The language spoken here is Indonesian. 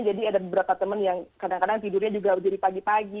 jadi ada beberapa temen yang kadang kadang tidurnya juga dari pagi pagi